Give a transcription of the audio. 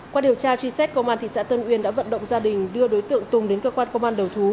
qua điều tra truy xét công an thị xã tân uyên đã vận động gia đình đưa đối tượng tùng đến cơ quan công an đầu thú